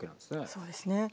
そうですね。